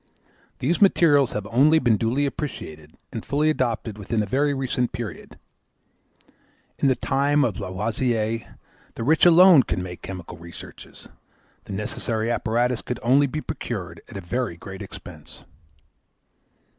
These materials have only been duly appreciated and fully adopted within a very recent period. In the time of Lavoisier, the rich alone could make chemical researches; the necessary apparatus could only be procured at a very great expense.